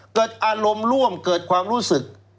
เกิดอารมณ์ร่วมเกิดความรู้สึก